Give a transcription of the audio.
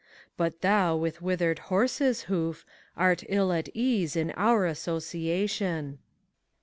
But thou with withered horseVhoof , Art ill at ease in our association.